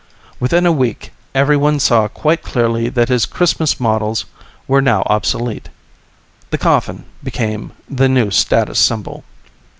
Within a week, everyone saw quite clearly that his Christmas models were now obsolete. The coffin became the new status symbol.